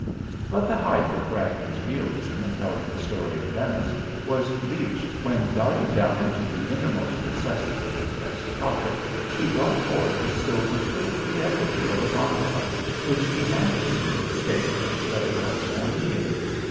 But the height of Bragdon's realism in telling his story of Venice was reached when, diving down into the innermost recesses of his vest pocket, he brought forth a silver filigree effigy of a gondola, which he handed me with the statement that it was for me.